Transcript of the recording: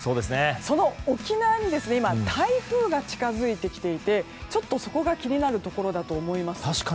その沖縄に今、台風が近づいてきていてちょっと、そこが気になるところだと思います。